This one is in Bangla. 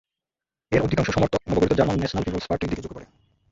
এর অধিকাংশ সমর্থক নবগঠিত জার্মান ন্যাশনাল পিপলস পার্টির দিকে ঝুঁকে পড়ে।